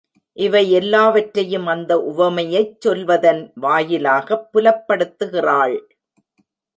இவை எல்லாவற்றையும் அந்த உவமையைச் சொல்வதன் வாயிலாகப் புலப்படுத்துகிறாள்.